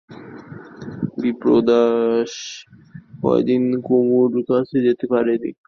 বিপ্রদাস কয়দিন কুমুর কাছে যেতে পারে নি।